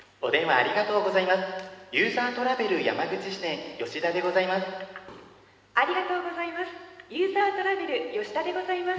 ありがとうございます。